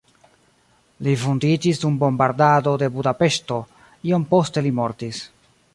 Li vundiĝis dum bombardado de Budapeŝto, iom poste li mortis.